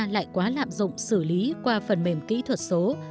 lại quá lạm dụng xử lý qua phần mềm kỹ thuật số